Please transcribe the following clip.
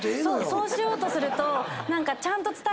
そうしようとすると。